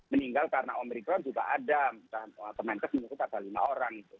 meninggal karena om rigron juga ada dan kemenkes ini juga ada lima orang